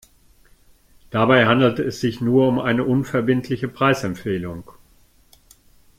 Dabei handelt es sich nur um eine unverbindliche Preisempfehlung.